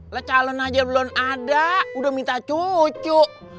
lah calon aja belum ada udah minta cucu